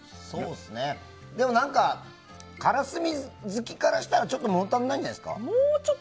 でも、からすみ好きからしたらちょっと物足りないんじゃないですか。